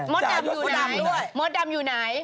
ม็อตดำอยู่ไหน